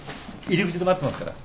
入り口で待ってますから。